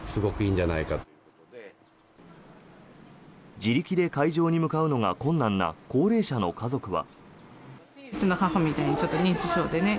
自力で会場に向かうのが困難な高齢者の家族は。